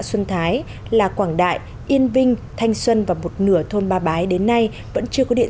xuân thái là quảng đại yên vinh thanh xuân và một nửa thôn ba bái đến nay vẫn chưa có điện